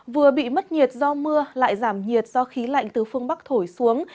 vừa bị mất nhiệt do mưa lại giảm nhiệt do khí lạnh từ phương bắc thổi xuống